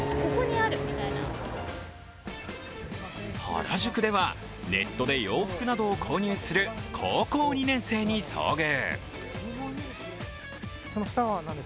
原宿ではネットで洋服などを購入する高校２年生に遭遇。